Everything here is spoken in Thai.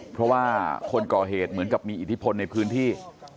เพราะว่าคนก่อเหตุเหมือนกับมีอิทธิพลในพื้นที่